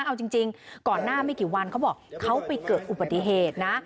เอาจริงก่อนหน้าไม่กี่วันเขาบอกเขาไปเกิดอุบัติเหตุนะ